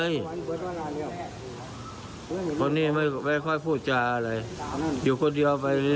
อยู่คนเดียวไปเรื่อย